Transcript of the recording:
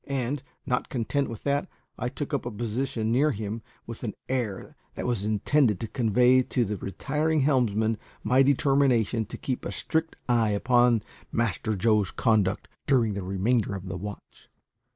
And, not content with that, I took up a position near him with an air that was intended to convey to the retiring helmsman my determination to keep a strict eye upon Master Joe's conduct during the remainder of the watch.